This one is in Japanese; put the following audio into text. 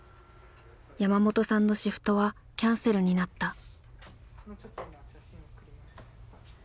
山本さんのシフトはキャンセルになった。